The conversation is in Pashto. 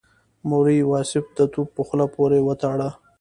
مولوي واصف د توپ په خوله پورې وتاړه.